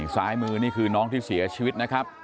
ซ้ายมือนี่คือน้องที่เสียชีวิตนะครับ